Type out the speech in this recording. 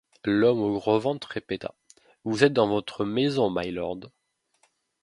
L’homme au gros ventre répéta: — Vous êtes dans votre maison, mylord.